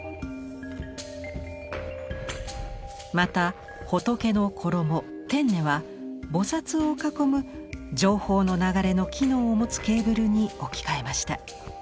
また仏の衣天衣は菩を囲む情報の流れの機能を持つケーブルに置き換えました。